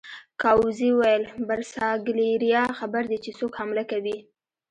ګاووزي وویل: برساګلیریا خبر دي چې څوک حمله کوي؟